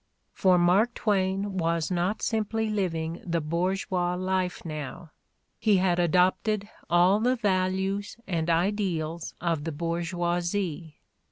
For Mark Twain was not simply living the bourgeois life now; he had adopted all the values and ideals of the bourgeoisie.